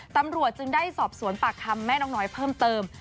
ตำรวจจึงได้สอบสวนปากคำแม่นกน้อยเพิ่มเติม